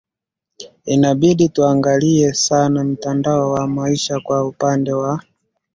inabidi tuangalie sana mtindo wa maisha kwa upande wa